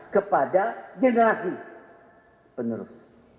kepada generasi penerus